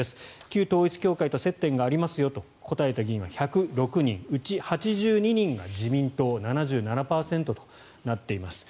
旧統一教会と接点がありますよと答えた議員は１０６人うち８２人が自民党７７％となっています。